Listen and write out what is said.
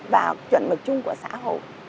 và chuẩn mực chung của xã hội